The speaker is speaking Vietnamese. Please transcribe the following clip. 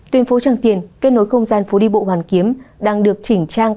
tuyên phố trang tiền kết nối không gian phố đi bộ hoàn kiếm đang được chỉnh trang